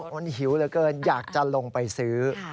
มันหิวเหลือเกินอยากจะลงไปซื้อ